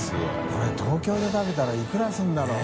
海東京で食べたらいくらするんだろう？